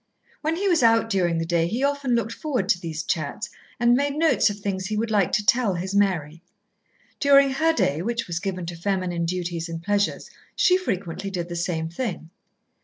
When he was out during the day he often looked forward to these chats, and made notes of things he would like to tell his Mary. During her day, which was given to feminine duties and pleasures, she frequently did the same thing.